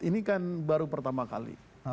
ini kan baru pertama kali